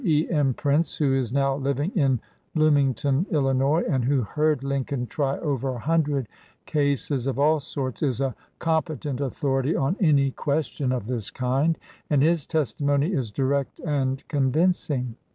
E. M. Prince, who is now living in Bloom ington, Illinois, and who heard Lincoln try over a hundred cases of all sorts, is a competent authority on any question of this kind, and his testimony is direct and convincing.